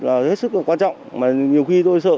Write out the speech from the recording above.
là hết sức là quan trọng mà nhiều khi tôi sợ